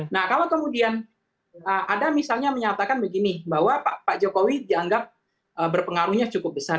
nah kalau kemudian ada misalnya menyatakan begini bahwa pak jokowi dianggap berpengaruhnya cukup besar